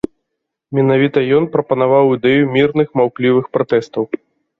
Менавіта ён прапанаваў ідэю мірных маўклівых пратэстаў.